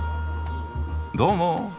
どうも。